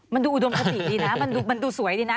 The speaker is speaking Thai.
มันดูอุดมคติดีนะมันดูสวยดีนะ